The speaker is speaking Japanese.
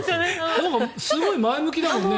すごい前向きだもんね。